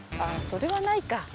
あぁそれはないか。